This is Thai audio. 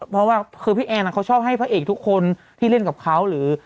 เพราะว่าคือพี่แอนเขาชอบให้พระเอกทุกคนที่เล่นกับเขาหรือ